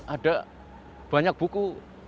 ada banyak buku